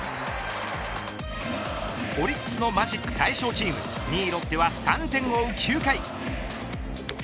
オリックスのマジック対象チーム２位ロッテは３点を追う９回。